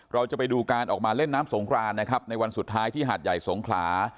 เราจะไปดูการออกมาเล่นน้ำสงครานนะครับในวันสุดท้ายที่หาดใหญ่สงขลา